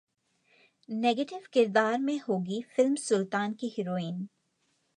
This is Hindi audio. नेगेटिव किरदार में होगी फिल्म 'सुल्तान' की हिरोइन